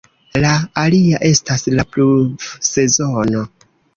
La alia estas la pluvsezono.